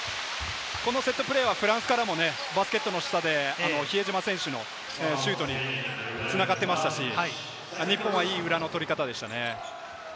このセットプレーはフランスからも、バスケットの下で比江島選手のシュートに繋がっていましたし、日本はいい裏の取り方でしたね。